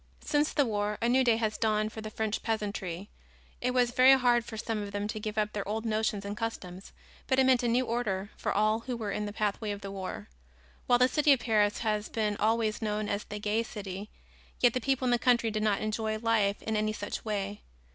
Since the war a new day has dawned for the French peasantry. It was very hard for some of them to give up their old notions and customs, but it meant a new order for all who were in the pathway of the war. While the city of Paris has been always known as the Gay City, yet the people in the country did not enjoy life in any such way.